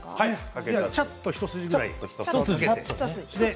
ちゃっと一筋ぐらいです